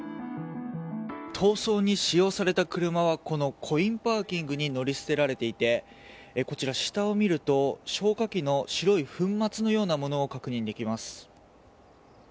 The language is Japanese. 逃走に使用された車はこのコインパーキングに乗り捨てられていてこちら、下を見ると消火器の白い粉末のようなものを確認できます。